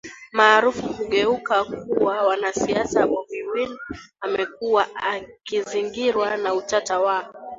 maarufu kugeuka kuwa wanasiasa Bobi Wine amekuwa akizingirwa na utata wa